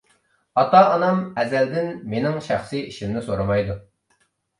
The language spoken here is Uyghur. ئاتا-ئانام ئەزەلدىن مېنىڭ شەخسىي ئىشىمنى سورىمايدۇ.